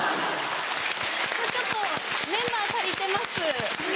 ちょっとメンバー足りてます。